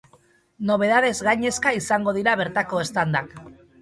Nobedadez gainezka izango dira bertako standak.